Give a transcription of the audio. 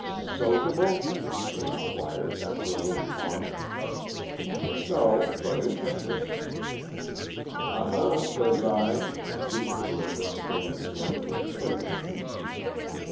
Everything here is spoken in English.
"S sociable?" he inquired, after a little pause. "No, but interested." "Uh huh, says I!" the Emperor exclaimed again, with playful conceit.